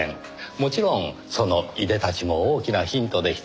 もちろんそのいでたちも大きなヒントでした。